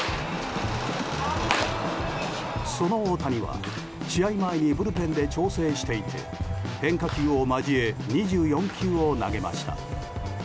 その大谷は、試合前にブルペンで調整していて変化球を交え２４球を投げました。